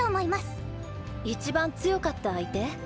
一番強かった相手？